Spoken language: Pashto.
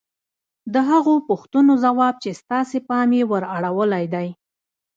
د هغو پوښتنو ځواب چې ستاسې پام يې ور اړولی دی.